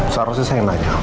seharusnya saya yang nanya